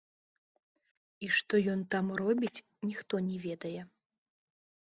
І што ён там робіць, ніхто не ведае.